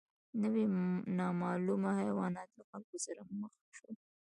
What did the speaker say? نوي نامعلومه حیوانات له خلکو سره مخ شول.